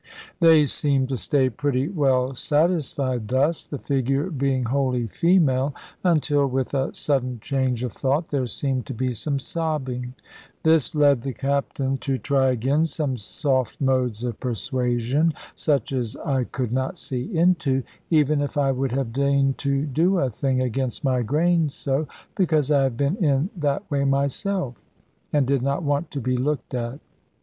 They seemed to stay pretty well satisfied thus, the figure being wholly female, until, with a sudden change of thought, there seemed to be some sobbing. This led the captain to try again some soft modes of persuasion, such as I could not see into, even if I would have deigned to do a thing against my grain so, because I have been in that way myself, and did not want to be looked at.